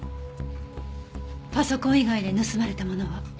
パソコン以外で盗まれたものは？